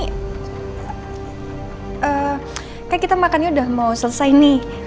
kayaknya kita makannya udah mau selesai nih